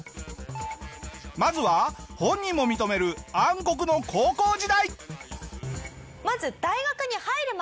まずは本人も認める暗黒の高校時代。